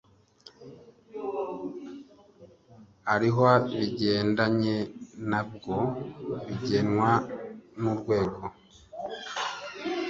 arihwa bigendanye na bwo bigenwa n Urwego